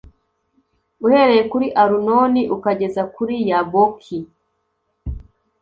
uhereye kuri arunoni ukageza kuri yaboki